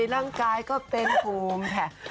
ร่างกายก็เป็นภูมิค่ะ